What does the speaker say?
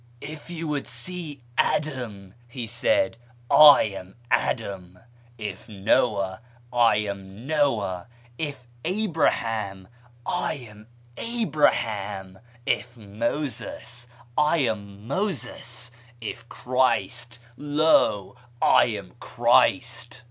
" If you would see Adam," he said, " I am Adam ; if Noah, I am Noah ; if Abraham, I am Abraham ; if JMoses, I am Moses ; if Christ, lo, I am Christ."